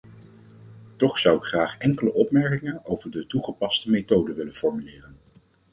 Toch zou ik graag enkele opmerkingen over de toegepaste methode willen formuleren.